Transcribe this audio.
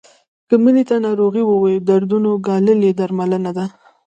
که مینې ته ناروغي ووایو د دردونو ګالل یې درملنه ده.